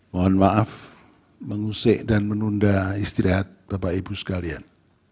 mohon maaf mengusik dan menunda istirahat bapak ibu sekalian